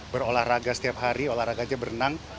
berolahraga setiap hari olahraga aja berenang